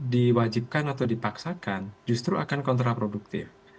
diwajibkan atau dipaksakan justru akan kontraproduktif